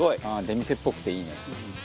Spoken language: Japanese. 出店っぽくていいね。